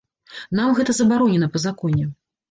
Нам гэта забаронена па законе.